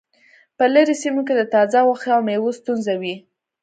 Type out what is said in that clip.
په لرې سیمو کې د تازه غوښې او میوو ستونزه وي